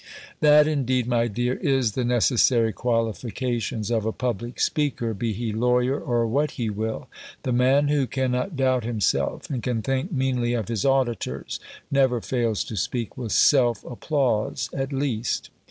"That, indeed, my dear, is the necessary qualifications of a public speaker, be he lawyer, or what he will: the man who cannot doubt himself, and can think meanly of his auditors, never fails to speak with self applause at least."